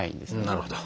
なるほど。